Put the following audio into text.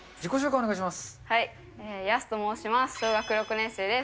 お願いします。